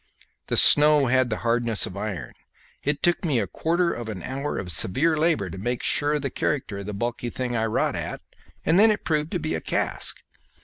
The snow had the hardness of iron; it took me a quarter of an hour of severe labour to make sure of the character of the bulky thing I wrought at, and then it proved to be a cask.